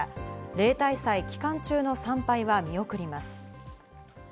例大祭期間中の参拝は見送ります。